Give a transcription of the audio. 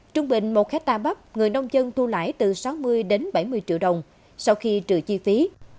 trung bình một hectare bắp người nông dân thu lại từ sáu mươi đến bảy mươi triệu đồng sau khi trừ chi phí